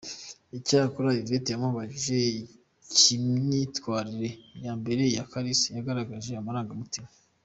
Icyakora Yvette yamubajije iby’imyitwarire ye imbere ya Kalisa yagaragaje amarangamutima.